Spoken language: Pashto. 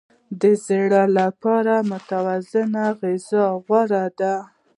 د زړه لپاره متوازنه غذا غوره ده.